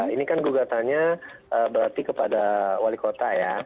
ini kan gugatannya berarti kepada wali kota ya